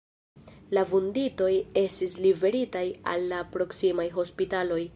La vunditoj estis liveritaj al la proksimaj hospitaloj.